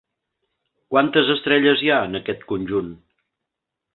Quantes estrelles hi ha en aquest conjunt?